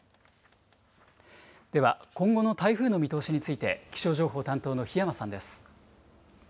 では、今後の台風の見通しについて、気象情報担当の檜山さんです。